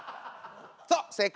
そう正解！